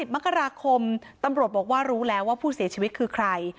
มกราคมตำรวจบอกว่ารู้แล้วว่าผู้เสียชีวิตคือใคร